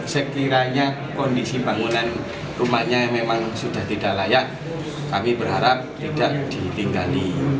sekiranya kondisi bangunan rumahnya memang sudah tidak layak kami berharap tidak ditinggali